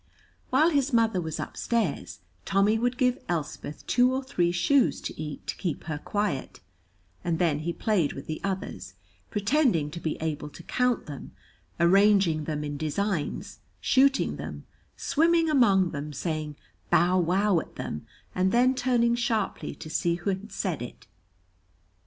While his mother was upstairs Tommy would give Elspeth two or three shoes to eat to keep her quiet, and then he played with the others, pretending to be able to count them, arranging them in designs, shooting them, swimming among them, saying "bow wow" at them and then turning sharply to see who had said it.